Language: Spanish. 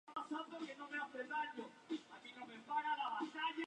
En este caso, Euskotren sufre el mismo problema que Cercanías Renfe.